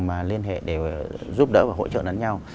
mà liên hệ để giúp đỡ và hỗ trợ lẫn nhau